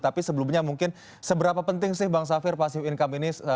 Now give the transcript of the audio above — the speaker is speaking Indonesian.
tapi sebelumnya mungkin seberapa penting sih bang safir pasif income ini